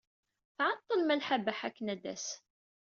Tɛeḍḍel Malḥa Baḥa akken ad d-tas.